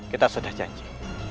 kita sudah janji